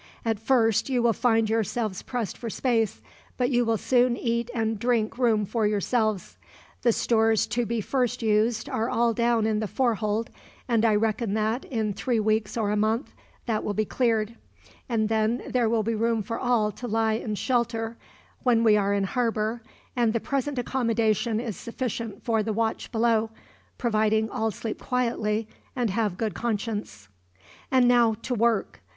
At first you will find yourselves pressed for space, but you will soon eat and drink room for yourselves. The stores to be first used are all down in the fore hold, and I reckon that, in three weeks or a month, that will be cleared; and there will then be room for all to lie in shelter, when we are in harbor; and the present accommodation is sufficient for the watch below, providing all sleep quietly, and have good conscience. "And now, to work.